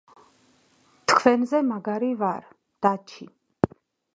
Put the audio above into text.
თქვენზე მაგარი ვარ{დაჩი}